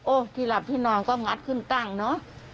ที่หลับที่นอนก็งัดขึ้นตั้งเนอะ